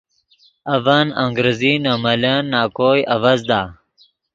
اڤن انگریزی نے ملن نَکوئے اڤزدا۔